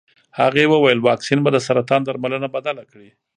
هغې وویل واکسین به د سرطان درملنه بدله کړي.